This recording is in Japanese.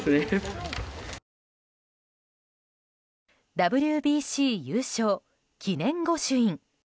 ＷＢＣ優勝・記念御朱印。